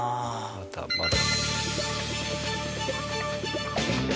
まだまだ。